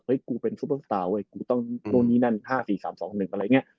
กูเป็นซุปเปอร์สตาร์เว้ยกูต้องนู่นนี่นั่น๕๔๓๒๑อะไรอย่างนี้